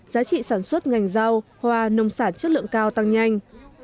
giá trị sản xuất ngành rau hoa nông sản chất lượng cao tăng nhanh